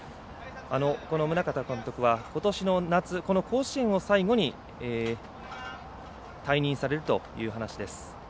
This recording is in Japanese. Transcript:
この宗像監督はことしの夏の甲子園を最後に退任されるという話です。